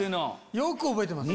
よく覚えてます。